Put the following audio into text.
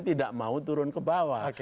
tidak mau turun ke bawah